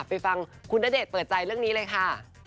ไปฟังคุณณเดชน์เปิดใจเรื่องนี้เลยค่ะ